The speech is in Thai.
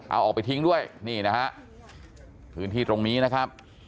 เอาออกไปทิ้งด้วยนี่นะฮะพื้นที่ตรงนี้นะครับ